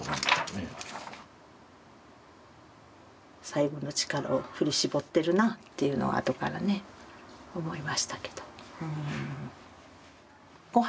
最後の力を振り絞ってるなっていうのは後からね思いましたけど。